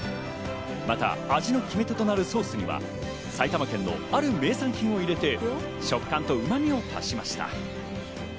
味の決め手となるソースには、埼玉県のある名産品を入れて食感とうまみを足しました。